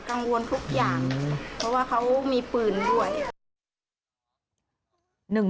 กังวลทุกอย่างเพราะว่าเขามีปืนด้วย